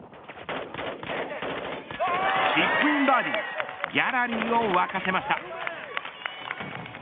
チップインバーディーギャラリーを沸かせました。